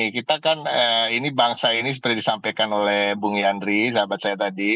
kita kan ini bangsa ini seperti disampaikan oleh bung yandri sahabat saya tadi